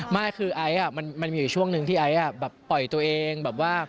ไม่คือมีช่วงหนึ่งที่ไอ๊ะปล่อยตัวเอง